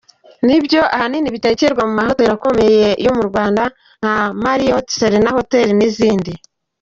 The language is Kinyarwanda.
Nibyo ahanini bitekerwa mu mahoteli akomeye mu Rwanda nka Marriot, Serena Hotel n’izindi.